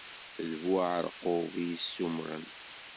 D bu uɛaṛqub i yessummṛen.